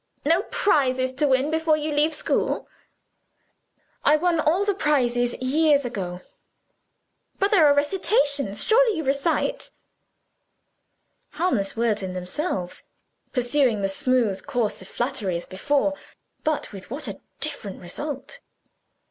No prizes to win before you leave school?" "I won all the prizes years ago." "But there are recitations. Surely you recite?" Harmless words in themselves, pursuing the same smooth course of flattery as before but with what a different result!